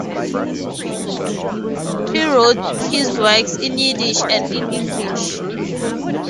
He wrote his works in Yiddish and in English.